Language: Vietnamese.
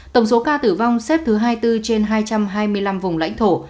tổng số ca tử vong xếp thứ hai mươi bốn trên hai trăm hai mươi năm vùng lãnh thổ